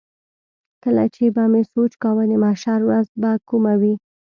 کله چې به مې سوچ کاوه د محشر ورځ به کومه وي.